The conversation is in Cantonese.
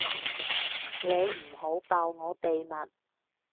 你唔好爆我秘密